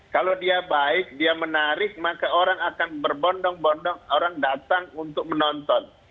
kalau dia baik dia menarik maka orang akan berbondong bondong orang datang untuk menonton